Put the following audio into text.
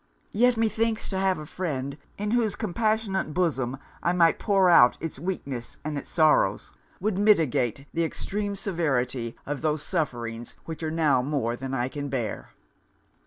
Yet methinks to have a friend, in whose compassionate bosom I might pour out it's weakness and it's sorrows, would mitigate the extreme severity of those sufferings which are now more than I can bear.